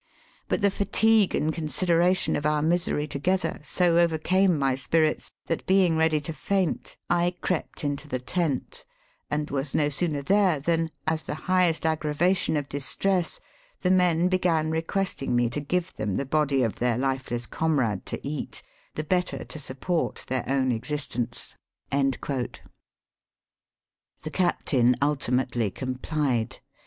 But the fatigue and consideration of our misery together, so overcame my spirits, that, being ready to faint, I crept into the tent and was no sooner there, than, as the highest aggrava tion of distress, the men began requesting me to give them the body of their lifeless comrade to eat, the better to support their own existence." The captain ultimately complied.